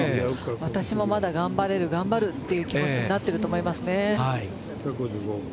私もまだ頑張れる頑張るという気持ちになっていると思います。